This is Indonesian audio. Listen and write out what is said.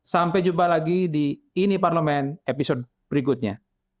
sampai jumpa lagi di ini parlemen episode berikutnya